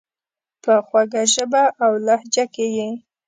په خوږه ژبه اولهجه کي یې،